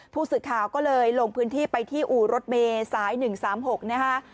ผู้สื่อข่าวก็เลยลงพื้นที่ไปที่อู่รถเมย์สาย๑๓๖นะคะ